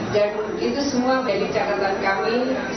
dan itu semua menjadi catatan kami